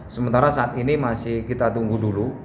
sementara saat ini masih kita tunggu dulu